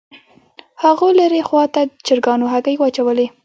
هاغو لرې خوا ته چرګانو هګۍ واچولې